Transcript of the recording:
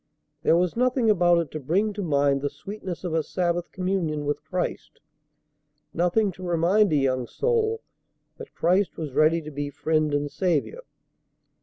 There was nothing about it to bring to mind the sweetness of a Sabbath communion with Christ, nothing to remind a young soul that Christ was ready to be Friend and Saviour.